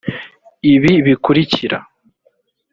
ibi bikurikira